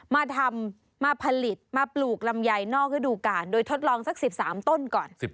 มาทำมาผลิตมาปลูกลำไยนอกฤดูกาลโดยทดลองสัก๑๓ต้นก่อน